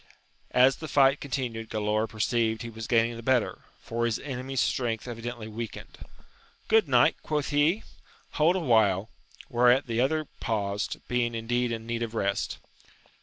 As the fight continued Galaor perceived he was gaining the better, for his enemy's strength evi dently weakened : Good knight? quoth he, hold a while ! whereat the other paused, being indeed in need of rest.